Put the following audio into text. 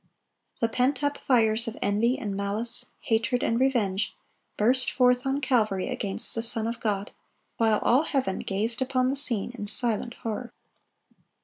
The pent up fires of envy and malice, hatred and revenge, burst forth on Calvary against the Son of God, while all heaven gazed upon the scene in silent horror.